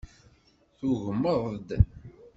Tugmeḍ-d.